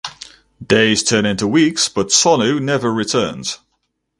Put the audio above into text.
Days turn into weeks but Sonu never returns.